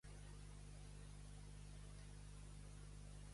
Ai, tu vila de Ceret, que tens un pont fet d'una sola arcada!